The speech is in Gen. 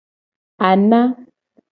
Ana.